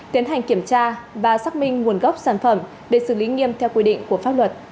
tiến hành kiểm tra và xác minh nguồn gốc sản phẩm để xử lý nghiêm theo quy định của pháp luật